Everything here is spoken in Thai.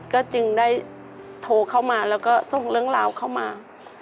ก็จึงได้โทรเข้ามาแล้วก็ส่งเรื่องราวเข้ามา